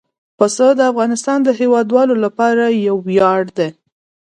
پسه د افغانستان د هیوادوالو لپاره یو ویاړ دی.